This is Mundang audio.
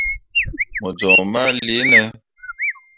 Mo joŋ ma leere ne ?